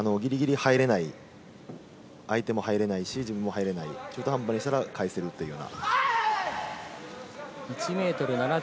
ギリギリ入れない、相手も入れないし自分も入れない、中途半端にしたら返せるというような。